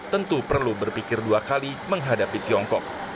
tentu perlu berpikir dua kali menghadapi tiongkok